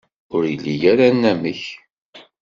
Ur ili ara anamek.